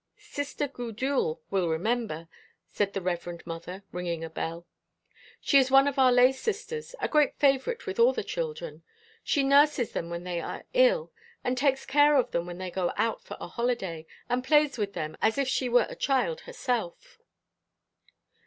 "Sister Gudule will remember," said the Reverend Mother, ringing a hell. "She is one of our lay sisters, a great favourite with all the children. She nurses them when they are ill, and takes care of them when they go out for a holiday, and plays with them as if she were a child herself."